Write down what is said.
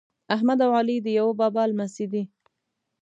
احمد او علي د یوه بابا لمسي دي.